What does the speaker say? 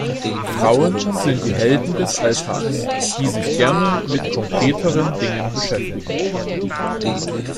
Frauen sind die Helden des Alltags, die sich gerne mit konkreteren Dingen beschäftigen.